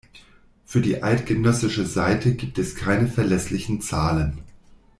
Für die eidgenössische Seite gibt es keine verlässlichen Zahlen.